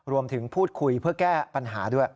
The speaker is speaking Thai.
รวมถึงพูดคุยเพื่อแก้ปัญหาด้วย